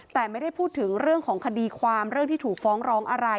แต่ไม่ได้พูดถึงเรื่องของคดีความเรื่องที่ถูกฟ้องร้องอะไร